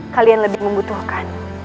kalian lebih membutuhkan